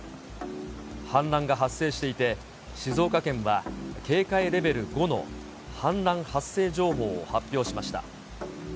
氾濫が発生していて、静岡県は警戒レベル５の氾濫発生情報を発表しました。